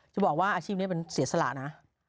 จะบอกว่าอาชีพนี้มันเสียสละนะ